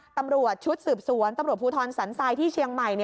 ตำรวจชุดสืบสวนตำรวจภูทรสันทรายที่เชียงใหม่